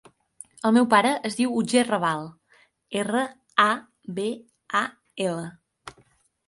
El meu pare es diu Otger Rabal: erra, a, be, a, ela.